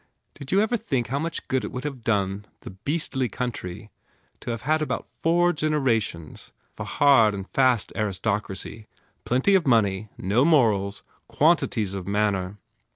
Did you ever think how much good it would have done the beastly country to have had about four generations of a hard and fast aristocracy plenty of money, no morals, quantities of manner?